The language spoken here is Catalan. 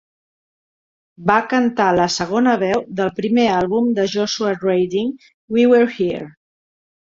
Va cantar la segona veu del primer àlbum de Joshua Radin, "We Were Here".